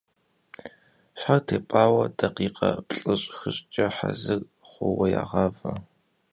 И щхьэр тепӀауэ дакъикъэ плӏыщӏ-хыщӏкӏэ, хьэзыр хъуху, ягъавэ.